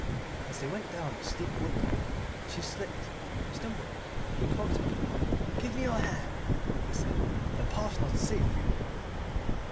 As they went down the steep wood path she slipped, stumbled he caught her. "Give me your hand!" he said. "This path's not safe for you."